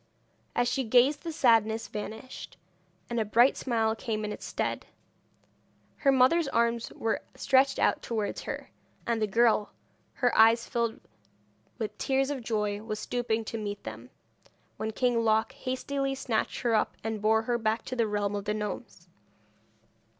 As she gazed the sadness vanished, and a bright smile came in its stead. Her mother's arms were stretched out towards her, and the girl, her eyes filled with tears of joy, was stooping to meet them, when King Loc hastily snatched her up, and bore her back to the realm of the gnomes.